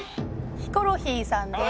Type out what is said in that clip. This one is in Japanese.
ヒコロヒーさんです。